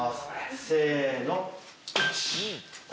せの！